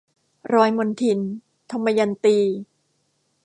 รอยมลทิน - ทมยันตี